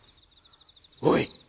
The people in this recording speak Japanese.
「おい！